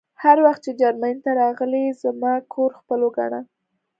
هر وخت چې جرمني ته راغلې زما کور خپل وګڼه